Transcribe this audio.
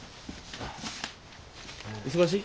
忙しい？